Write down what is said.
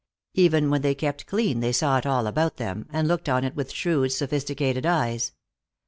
Even when they kept clean they saw it all about them, and looked on it with shrewd, sophisticated eyes.